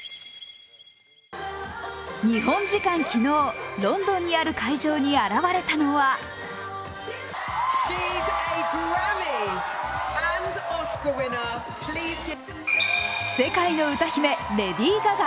日本時間昨日、ロンドンにある会場に現れたのは世界の歌姫、レディー・ガガ。